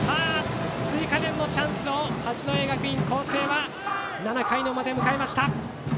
追加点のチャンスを八戸学院光星は７回の表、迎えました。